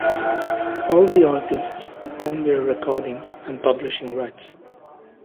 All the artists own their recordings and publishing rights.